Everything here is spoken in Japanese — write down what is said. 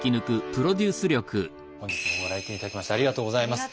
本日もご来店頂きましてありがとうございます。